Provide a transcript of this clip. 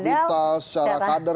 secara kapital secara kader